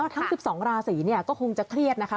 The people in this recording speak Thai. ทั้ง๑๒ราศีก็คงจะเครียดนะคะ